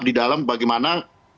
di dalam bagaimana